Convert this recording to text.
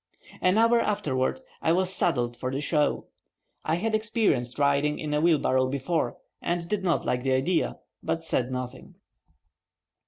An hour afterward I was saddled for the show. I had experienced riding in a wheelbarrow before, and did not like the idea, but said nothing.